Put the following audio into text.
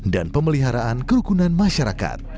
dan pemeliharaan kerukunan masyarakat